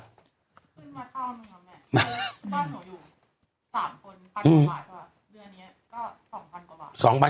ขึ้นมาเท่านึงครับแม่บ้านหนูอยู่๓คน๑๐๐๐บาทเท่านี้ก็๒๐๐๐กว่าบาท